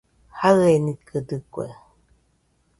Jaienikɨdɨkue